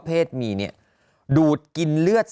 เพศมีดูดกินเลือด